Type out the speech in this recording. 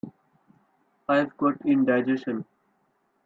I've got indigestion.